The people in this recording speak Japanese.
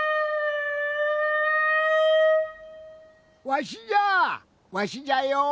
わしじゃわしじゃよ。